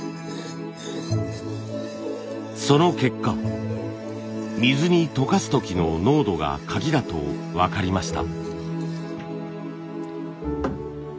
その結果水に溶かす時の濃度がカギだと分かりました。